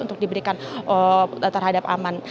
untuk diberikan terhadap aman